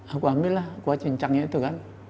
aku ambillah kuah cincangnya itu kan